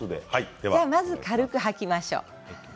まずは軽く吐きましょう。